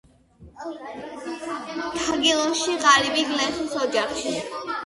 თაგილონში ღარიბი გლეხის ოჯახში.